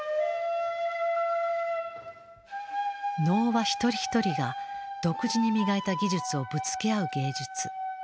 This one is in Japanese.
能は一人一人が独自に磨いた技術をぶつけ合う芸術。